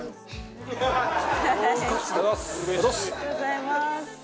ありがとうございます。